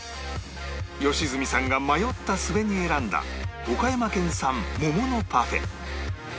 良純さんが迷った末に選んだ岡山県産桃のパフェ